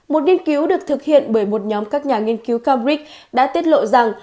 một nghiên cứu được thực hiện bởi một nhóm các nhà nghiên cứu cambric đã tiết lộ rằng